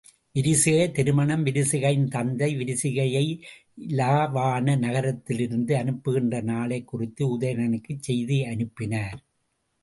விரிசிகை திருமணம் விரிசிகையின் தந்தை, விரிசிகையை இலாவாண நகரிலிருந்து அனுப்புகின்ற நாளைக் குறித்து உதயணனுக்குச் செய்தி அனுப்பினார்.